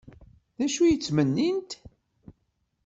D acu ay ttmennint?